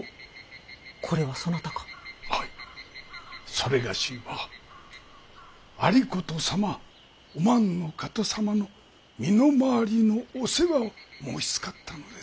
それがしは有功様お万の方様の身の回りのお世話を申しつかったのです。